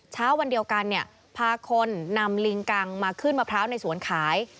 เช้าวันเดียวกันเนี่ยพาคนนำลิงกังมาขึ้นมะพร้าวในสวนขาย